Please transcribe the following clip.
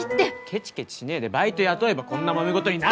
ケチケチしねえでバイト雇えばこんなもめ事になんねえんだよ！